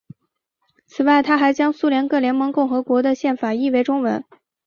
此外他还将苏联各加盟共和国的宪法译为中文。